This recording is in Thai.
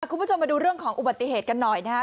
คุณผู้ชมมาดูเรื่องของอุบัติเหตุกันหน่อยนะครับ